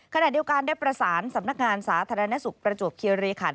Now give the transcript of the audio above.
ขณะเดียวกันได้ประสานสำนักงานสาธารณสุขประจวบคิริขัน